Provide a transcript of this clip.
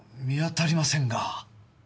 見当たりませんが。